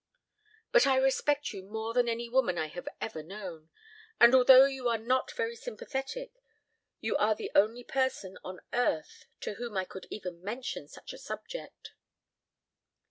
"But I respect you more than any woman I have ever known. And although you are not very sympathetic you are the only person on earth to whom I could even mention such a subject."